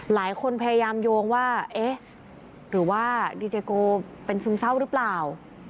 พยายามโยงว่าเอ๊ะหรือว่าดีเจโกเป็นซึมเศร้าหรือเปล่า